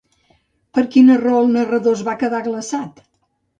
Per quina raó el narrador es va quedar glaçat?